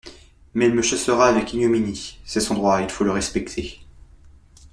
Mais il me chassera avec ignominie ! C'est son droit, il faut le respecter.